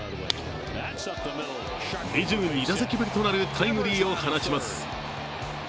２２打席ぶりとなるタイムリーを放ちます。